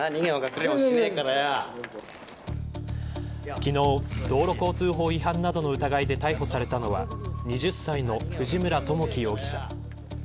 昨日、道路交通法違反などの疑いで逮捕されたのは２０歳の藤村知樹容疑者。